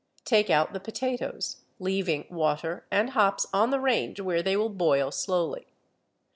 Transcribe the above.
Take out the potatoes, leaving water and hops on the range where they will boil slowly.